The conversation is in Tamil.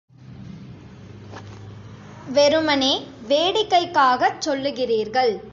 வெறுமனே வேடிக்கைக்காகச் சொல்லுகிறீர்கள்.